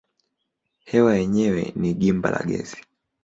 Hewa yenyewe ni gimba la gesi.